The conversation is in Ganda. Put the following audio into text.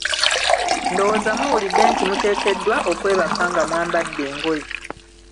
Ndowooza muwulidde nti muteekeddwa okwebaka nga mwambadde engoye.